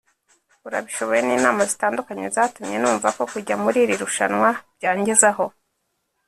urabishoboye’ n’inama zitandukanye zatumye numva ko kujya muri iri rushanwa byangezaho